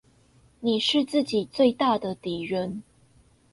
你是自己最大的敵人